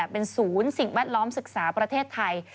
เป็นศูนย์สิ่งแวดล้อมศึกษาประเทศไทย